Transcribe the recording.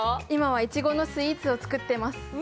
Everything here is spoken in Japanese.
今はいちごのスイーツを作っています。